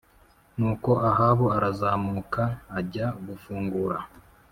Nuko Ahabu arazamuka ajya gufungura